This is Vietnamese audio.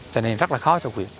cho nên là rất là khó cho huyện